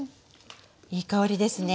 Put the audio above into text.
いい香りですね。